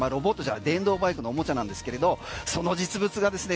電動バイクのおもちゃなんですけれどその実物がですね